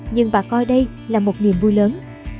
nhưng bà coi đây là một niềm vui lớn